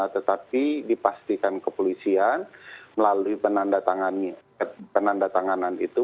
tetapi dipastikan kepolisian melalui penanda tanganan itu